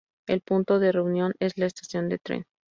El punto de reunión es la estación de tren.